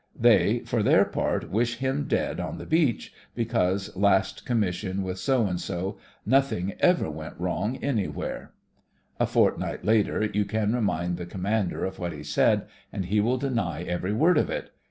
They for their part wish him dead on the beach, because, last commission with So and so, nothing ever went wrong 72 THE FRINGES OF THE FLEET anywhere. A fortnight later you can remind the commander of what he said, and he will deny every word of it.